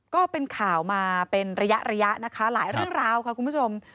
ก็เป็นข่าวมาเป็นระยะระยะนะคะหลายเรื่องราวค่ะคุณผู้ชม